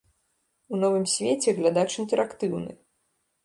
У новым свеце глядач інтэрактыўны.